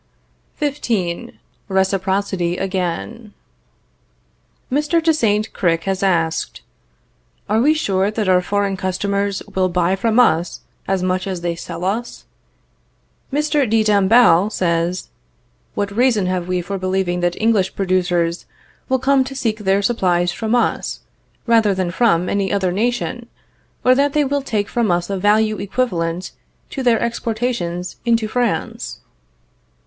XV. RECIPROCITY AGAIN. Mr. de Saint Cricq has asked: "Are we sure that our foreign customers will buy from us as much as they sell us?" Mr. de Dombasle says: "What reason have we for believing that English producers will come to seek their supplies from us, rather than from any other nation, or that they will take from us a value equivalent to their exportations into France?"